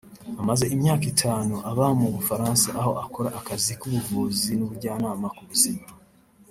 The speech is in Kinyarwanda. Amaze imyaka itanu aba mu Bufaransa aho akora akazi k’ubuvuzi n’ubujyanama ku buzima